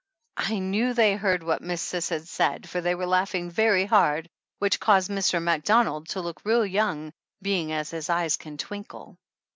I knew they heard what Miss Cis had said, for they were laughing very hard^ which caused Mr. Macdonald to look real young, being as his eyes can twinkle.